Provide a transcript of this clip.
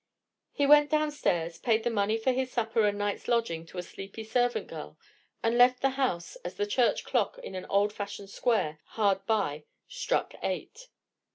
He went downstairs, paid the money for his supper and night's lodging to a sleepy servant girl, and left the house as the church clock in an old fashioned square hard by struck eight.